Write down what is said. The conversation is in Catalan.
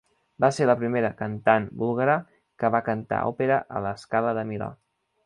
Va ser la primera cantant búlgara que va cantar òpera a La Scala de Milà.